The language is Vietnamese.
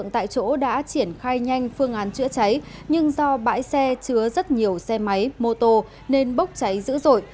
tại chỗ đã triển khai nhanh phương án chữa cháy nhưng do bãi xe chứa rất nhiều xe máy mô tô nên bốc cháy dữ dội